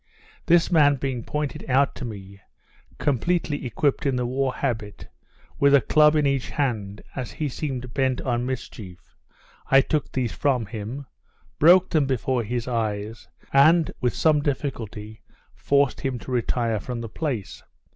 This man being pointed out to me, completely equipped in the war habit, with a club in each hand, as he seemed bent on mischief, I took these from him, broke them before his eyes, and, with some difficulty, forced him to retire from the place.